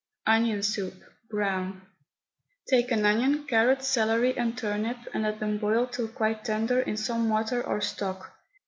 ONION SOUP, BROWN. Take an onion, carrot, celery, and turnip, and let them boil till quite tender in some water or stock.